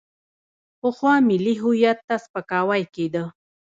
پخوا ملي هویت ته سپکاوی کېده.